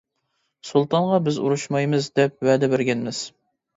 سۇلتانغا، بىز ئۇرۇشمايمىز، دەپ ۋەدە بەرگەنمىز.